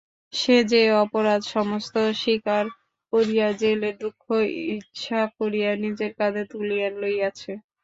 সে যে অপরাধ সমস্ত স্বীকার করিয়া জেলের দুঃখ ইচ্ছা করিয়া নিজের কাঁধে তুলিয়া লইয়াছে।